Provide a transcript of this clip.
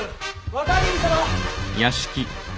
若君様！